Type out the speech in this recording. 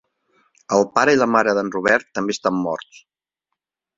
El pare i la mare d'en Robert també estan morts.